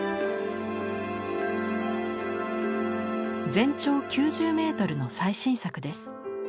全長９０メートルの最新作です。